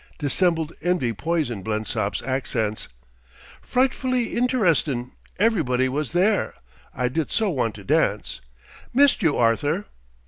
Dissembled envy poisoned Blensop's accents. "Frightfully interestin' everybody was there. I did so want to dance missed you, Arthur."